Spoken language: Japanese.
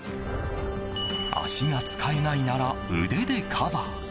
足が使えないなら腕でカバー。